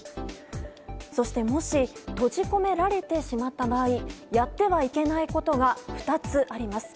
そしてもし閉じ込められてしまった場合やってはいけないことが２つあります。